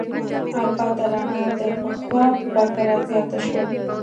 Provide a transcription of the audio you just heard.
البته رڼا د پخوا په پرتله زیاته شوه.